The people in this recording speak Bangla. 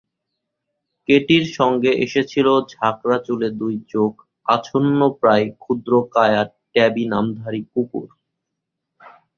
কেটির সঙ্গে এসেছিল ঝাঁকড়া চুলে দুই চোখ আচ্ছন্নপ্রায় ক্ষুদ্রকায়া ট্যাবি-নামধারী কুকুর।